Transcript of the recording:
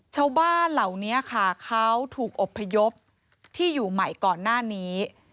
ชาวบ้านเหล่านี้ค่ะเขาถูกอบพยพที่อยู่ใหม่ก่อนหน้านี้